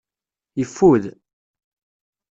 Yeffud.